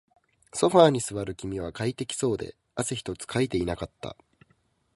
ソファーに座る君は快適そうで、汗一つかいていなかった